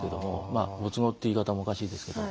まあ、ご都合って言い方もおかしいですけども。